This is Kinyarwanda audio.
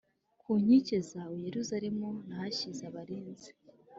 ku nkike zawe, yeruzalemu, nahashyize abarinzi;